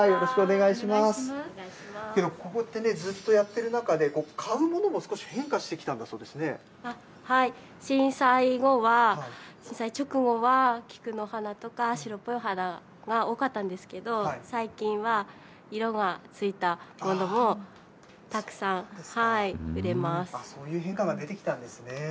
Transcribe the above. ここってね、ずっとやってる中で、買うものも少し変化してきたんだ震災後は、震災直後は、菊の花とか、白っぽいお花が多かったんですけども、最近は色がついたそういう変化が出てきたんですね。